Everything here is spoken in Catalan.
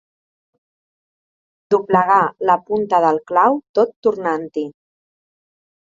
Doblegar la punta del clau tot tornant-hi.